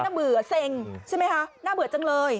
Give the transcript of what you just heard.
เบื่อเซ็งใช่ไหมคะน่าเบื่อจังเลย